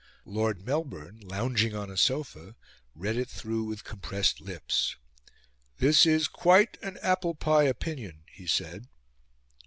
Lord Melbourne, lounging on a sofa, read it through with compressed lips. "This is quite an apple pie opinion," he said.